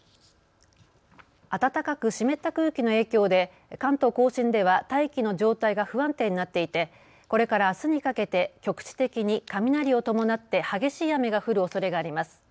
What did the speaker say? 暖かく湿った空気の影響で関東甲信では大気の状態が不安定になっていてこれからあすにかけて局地的に雷を伴って激しい雨が降るおそれがあります。